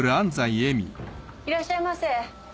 いらっしゃいませ。